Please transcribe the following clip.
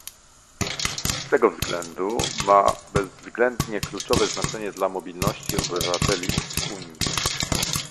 Z tego względu ma bezwzględnie kluczowe znaczenie dla mobilności obywateli w Unii